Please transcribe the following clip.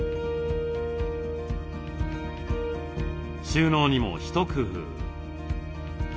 収納にも一工夫。